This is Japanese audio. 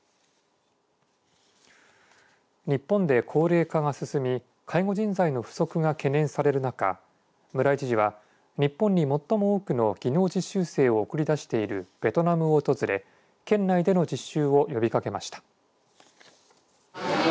日本で高齢化が進み介護人材の不足が懸念される中村井知事は、日本に最も多くの技能実習生を送り出しているベトナムを訪れ、県内での実習を呼びかけました。